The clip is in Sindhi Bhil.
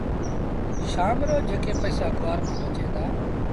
شآم رو جيڪي پئيٚسآ گُوآر مآݩ بچيٚن دآ